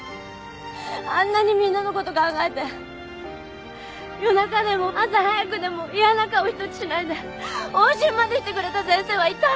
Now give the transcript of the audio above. あんなにみんなのこと考えて夜中でも朝早くでも嫌な顔ひとつしないで往診までしてくれた先生はいた？